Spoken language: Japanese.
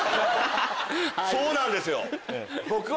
そうなんですよ！